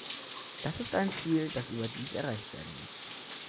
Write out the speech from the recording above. Das ist ein Ziel, das überdies erreicht werden muss.